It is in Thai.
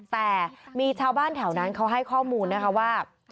แต่มีชาวบ้านแถวนั้นเขาให้ข้อมูลนะคะว่า